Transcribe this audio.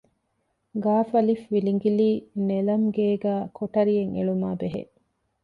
ގއ.ވިލިނގިލީ ނެލަމްގޭގައި ކޮޓަރިއެއް އެޅުމާއި ބެހޭ